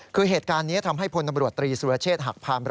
คือเหตุการณ์นี้ทำให้พ